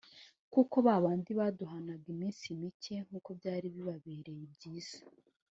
Kuko ba bandi baduhanaga iminsi mike nk'uko byari bibabereye byiza,